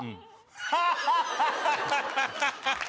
ハハハハハ。